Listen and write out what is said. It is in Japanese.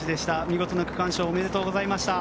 見事な区間賞おめでとうございました。